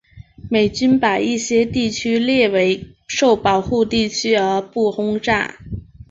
美军把一些地区列为受保护地区而不轰炸。